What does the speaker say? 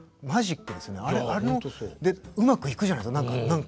でうまくいくじゃないですか何か。